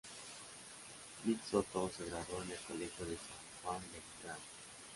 Vic Sotto se graduó en el Colegio de San Juan de Letrán.